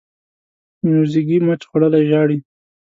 موزیګی مچ خوړلی ژاړي.